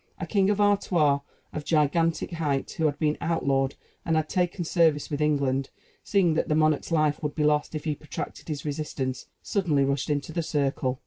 A knight of Artois, of gigantic height, who had been outlawed and had taken service with England, seeing that the monarch's life would be lost if he protracted his resistance, suddenly rushed into the circle.